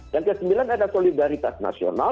dan ke sembilan ada solidaritas nasional